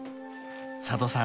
［佐渡さん